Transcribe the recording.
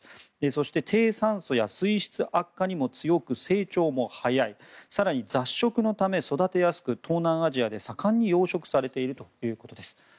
そして低酸素や水質悪化にも強く成長も早い更に、雑食のため育てやすく東南アジアで盛んに養殖されているということです。